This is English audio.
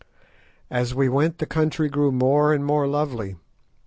As we went the country grew more and more lovely.